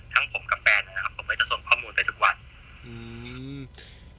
ทั้งผมกับแฟนเนี้ยนะครับผมก็จะส่งข้อมูลไปทุกวันอืม